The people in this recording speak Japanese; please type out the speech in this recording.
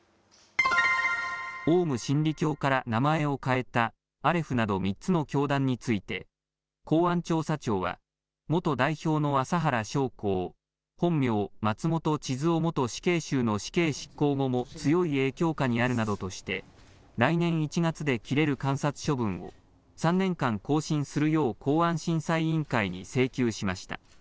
オウム真理教から名前を変えたアレフなど３つの教団について、公安調査庁は、元代表の麻原彰晃、本名・松本智津夫元死刑囚の死刑執行後も強い影響下にあるなどとして、来年１月で切れる観察処分を、３年間更新するよう公安審査委員会に請求しました。